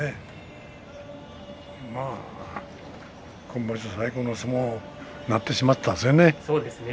今場所最高の相撲になってしまったですね。